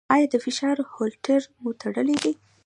ایا د فشار هولټر مو تړلی دی؟